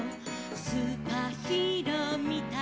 「スーパーヒーローみたいにさ」